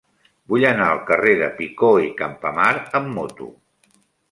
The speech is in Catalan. Vull anar al carrer de Picó i Campamar amb moto.